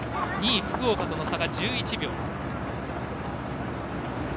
２位、福岡との差が１１秒。